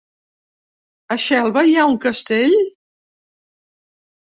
A Xelva hi ha un castell?